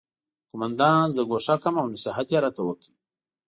قومندان زه ګوښه کړم او نصیحت یې راته وکړ